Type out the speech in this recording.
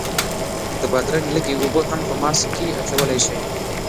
د بادرنګ لږې اوبه هم په ماسک کې اچولی شئ.